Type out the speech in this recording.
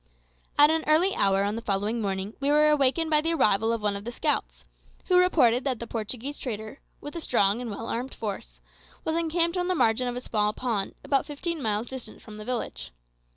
At an early hour on the following morning we were awakened by the arrival of one of the scouts, who reported that the Portuguese trader, with a strong and well armed force, was encamped on the margin of a small pond about fifteen miles distant from the village.